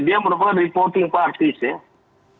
dia merupakan reporting parties ya